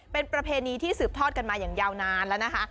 เป็นประเพณีที่สืบทอดกันมาอย่างยาวนานแล้วนะคะ